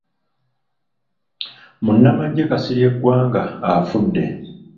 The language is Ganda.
Munnamagye Kasirye Ggwanga afudde.